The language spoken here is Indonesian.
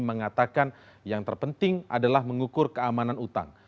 mengatakan yang terpenting adalah mengukur keamanan utang